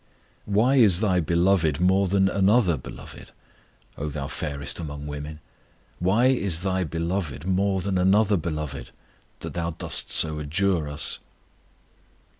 What is thy Beloved more than another beloved, O thou fairest among women? What is thy Beloved more than another beloved, That thou dost so adjure us?